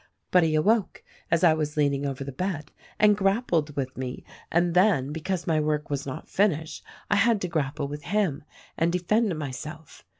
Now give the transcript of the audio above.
But he awoke, as I was leaning over the bed, and grappled with me, and then — because my work was not finished — I had to grapple with him and defend myself.